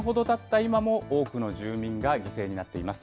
今も、多くの住民が犠牲になっています。